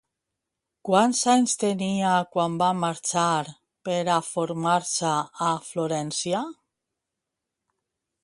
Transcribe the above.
Quants anys tenia quan va marxar per a formar-se a Florència?